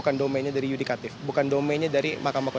namanya dari yudikatif bukan domainnya dari mk